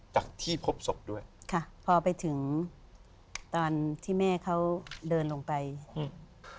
จากที่พบศพด้วยค่ะพอไปถึงตอนที่แม่เขาเดินลงไปอืม